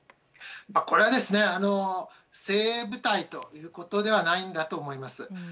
これは精鋭部隊ということではないんだと思います。